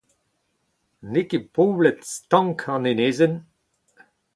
N’eo ket poblet-stank an enezenn.